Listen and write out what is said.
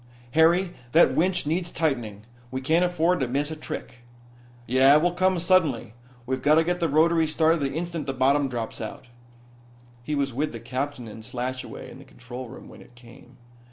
"Harry, that winch needs tightening. We can't afford to miss a trick." "Yeah, it will come suddenly. We've got to get the rotaries started the instant the bottom drops out." He was with the captain and Slashaway in the control room when it came.